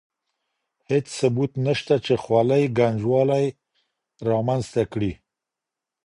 هېڅ ثبوت نشته چې خولۍ ګنجوالی رامنځته کړي.